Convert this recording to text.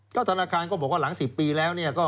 ก็ธนาคารก็บอกว่าหลัง๑๐ปีแล้ว